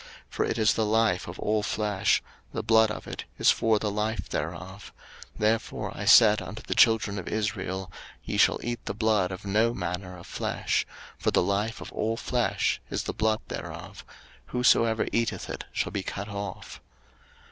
03:017:014 For it is the life of all flesh; the blood of it is for the life thereof: therefore I said unto the children of Israel, Ye shall eat the blood of no manner of flesh: for the life of all flesh is the blood thereof: whosoever eateth it shall be cut off.